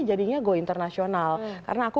jadinya go internasional karena aku